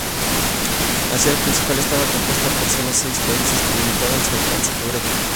Así, al principio estaba compuesta por solo seis países que limitaban su alcance geográfico.